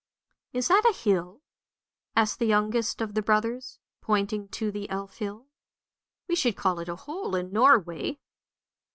" Is that a hill? " asked the youngest of the brothers, point ing to the Elf hill. " We should call it a hole in Norway."